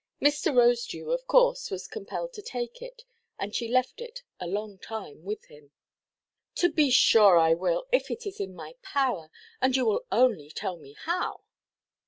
Mr. Rosedew, of course, was compelled to take it, and she left it a long time with him. "To be sure I will, if it is in my power, and you will only tell me how."